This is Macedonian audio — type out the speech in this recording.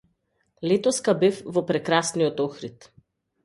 Летоска бев во прекрасниот Охрид.